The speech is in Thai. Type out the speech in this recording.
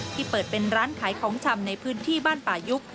เปิดเป็นร้านขายของชำในพื้นที่บ้านป่ายุก